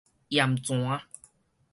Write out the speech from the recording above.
鹽泉